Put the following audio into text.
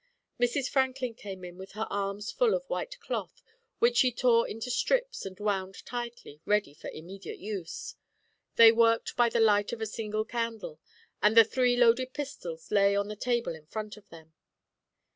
Mrs. Franklin came in with her arms full of white cloth, which she tore into strips and wound tightly, ready for immediate use. They worked by the light of a single candle, and the three loaded pistols lay on the table in front of them.